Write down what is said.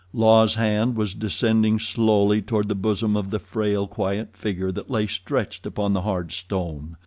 La's hand was descending slowly toward the bosom of the frail, quiet figure that lay stretched upon the hard stone.